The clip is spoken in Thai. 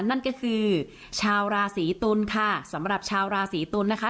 นั่นก็คือชาวราศีตุลค่ะสำหรับชาวราศีตุลนะคะ